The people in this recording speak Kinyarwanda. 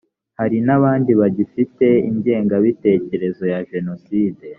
hari n’abandi bagifite ingengabitekerezo ya jenoside